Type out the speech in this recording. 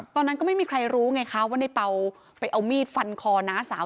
ตอนนั้นก็ไม่มีใครรู้ไงคะว่าในเป่าไปเอามีดฟันคอน้าสาว